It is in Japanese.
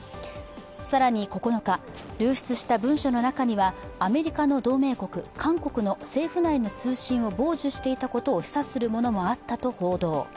更に９日、流出した文書の中にはアメリカの同盟国、韓国の政府内の通信を傍受していたことを示唆するものもあったと報道。